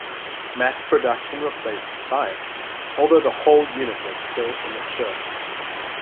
Mass production replaced science, although the whole unit was still immature.